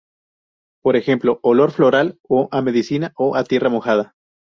Por ejemplo olor "floral" o "a medicina" o "a tierra mojada".